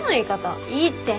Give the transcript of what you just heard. いいって。